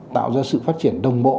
tạo ra sự phát triển đồng bộ